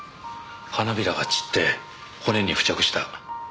花びらが散って骨に付着した。